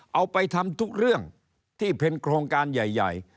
เอาไปทำทุกเรื่องที่เป็นโครงการใหญ่